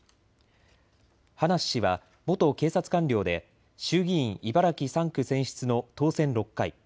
葉梨氏は元警察官僚で衆議院茨城３区選出の当選６回。